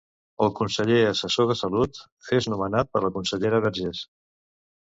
El Conseller Assessor de Salut és nomenat per la consellera Vergés.